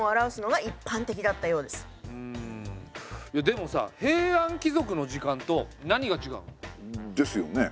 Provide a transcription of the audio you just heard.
でもさ平安貴族の時間と何がちがうの？ですよね。